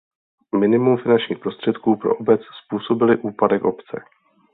Minimum finančních prostředků pro obec způsobily úpadek obce.